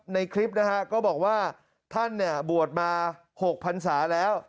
ในคลิปนะฮะก็บอกว่าท่านเนี่ยบวชมา๖พันศาแล้ว